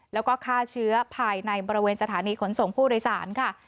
แล้วก็ฆ่าเชื้อภายในบริเวณสถานีขนส่งผู้โดยสารค่ะ